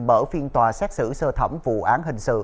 mở phiên tòa xét xử sơ thẩm vụ án hình sự